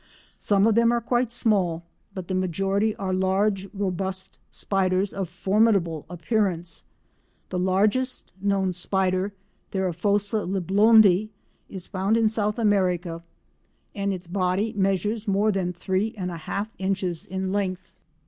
Some of them are quite small, but the majority are large robust spiders, of formidable appearance. The largest known spider, Theraphosa leblondi, is found in South America, and its body measures more than three and a half inches in length.